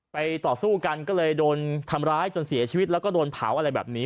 ต่อสู้กันก็เลยโดนทำร้ายจนเสียชีวิตแล้วก็โดนเผาอะไรแบบนี้